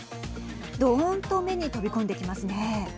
どーんと目に飛び込んできますね。